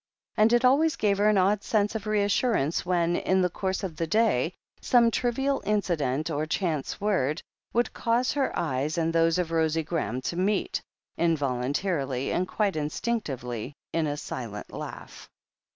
And it always gave her an odd sense of reassurance when, in the course of the day, some trivial incident, or chance word, would cause her eyes and those of Rosie Graham to meet, involuntarily and quite instinctively, in a silent laugh.